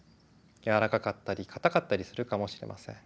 やわらかかったり硬かったりするかもしれません。